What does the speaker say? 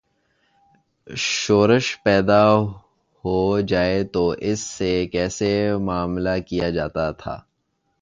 شورش پیدا ہو جائے تو اس سے کیسے معا ملہ کیا جاتا تھا؟